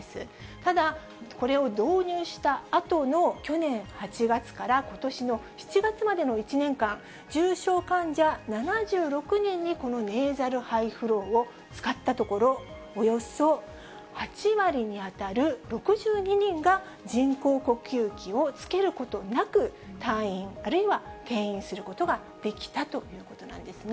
ただ、これを導入したあとの去年８月からことしの７月までの１年間、重症患者７６人にこのネーザルハイフローを使ったところ、およそ８割に当たる６２人が人工呼吸器をつけることなく、退院あるいは転院することができたということなんですね。